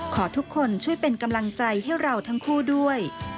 ขอทุกคนช่วยเป็นกำลังใจให้เราทั้งคู่ด้วย